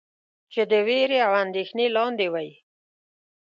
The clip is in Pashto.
چې د وېرې او اندېښنې لاندې وئ.